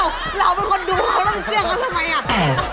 อ้าวเราเป็นคนดูแล้วเขาต้องเชื่อเขาทำไมอ่ะ